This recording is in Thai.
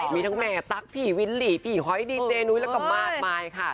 มีทั้งแม่ตั๊กพี่วิลลี่พี่หอยดีเจนุ้ยแล้วก็มากมายค่ะ